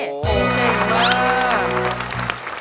อ๋อเห็นแล้ว